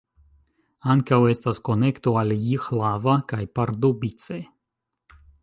Ankaŭ estas konekto al Jihlava kaj Pardubice.